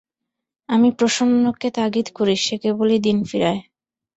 আমি প্রসন্নকে তাগিদ করি, সে কেবলই দিন ফিরায়।